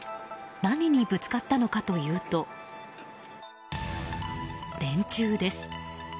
何にぶつかったのかというと電柱です。